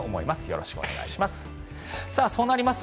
よろしくお願いします。